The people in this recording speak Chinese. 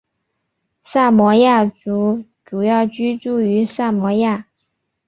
萨摩亚族主要居住于萨摩亚。